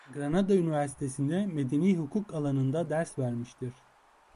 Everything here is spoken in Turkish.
Granada Üniversitesi'nde medeni hukuk alanında ders vermiştir.